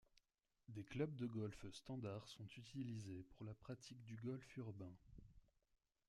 Des clubs de golf standards sont utilisés pour la pratique du Golf urbain.